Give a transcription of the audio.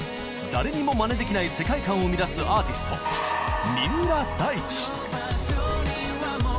誰にもまねできない世界観を生み出すアーティスト三浦大知！